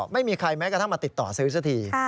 ไม่มีใครแม้กระทั่งมาติดต่อซื้อสักที